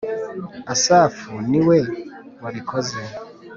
Asafu ni we wabikoze